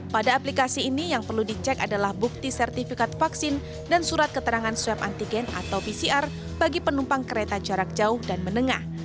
pada aplikasi ini yang perlu dicek adalah bukti sertifikat vaksin dan surat keterangan swab antigen atau pcr bagi penumpang kereta jarak jauh dan menengah